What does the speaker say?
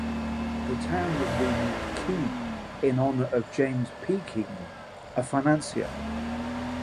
The town was renamed Keene in honor of James P. Keene, a financier.